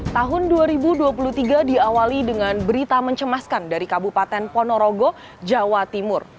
tahun dua ribu dua puluh tiga diawali dengan berita mencemaskan dari kabupaten ponorogo jawa timur